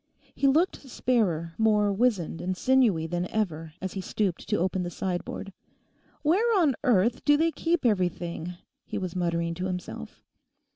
He looked sparer, more wizened and sinewy than ever as he stooped to open the sideboard. 'Where on earth do they keep everything?' he was muttering to himself.